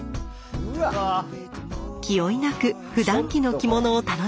気負いなくふだん着の着物を楽しんでいます。